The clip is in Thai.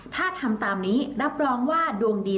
ถ้าทำตามนี้รับรองว่าดวงดี